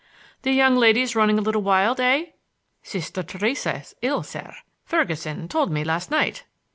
"The young ladies running a little wild, eh?" "Sister Theresa's ill, sir. Ferguson told me last night!"